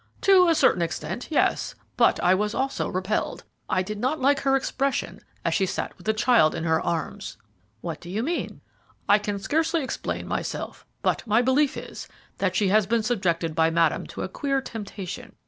"To a certain extent, yes, but I was also repelled. I did not like her expression as she sat with the child in her arms." "What do you mean?" "I can scarcely explain myself, but my belief is, that she has been subjected by Madame to a queer temptation.